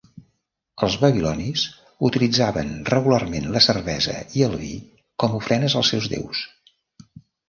Els babilonis utilitzaven regularment la cervesa i el vi com ofrenes als seus déus.